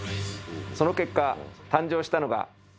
その結果誕生したのがこちら！